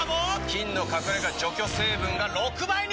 菌の隠れ家除去成分が６倍に！